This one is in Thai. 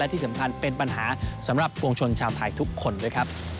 ที่สำคัญเป็นปัญหาสำหรับปวงชนชาวไทยทุกคนด้วยครับ